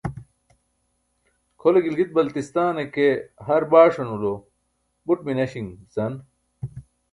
kʰole gilgit-baltistan e ke har baaṣan ulo buṭ minaśin bica